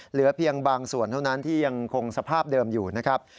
เหลือเพียงบางส่วนเท่านั้นที่ยังคงสภาพเดิมอยู่นะครับ